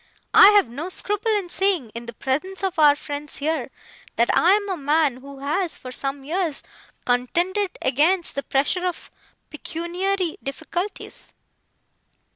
'I have no scruple in saying, in the presence of our friends here, that I am a man who has, for some years, contended against the pressure of pecuniary difficulties.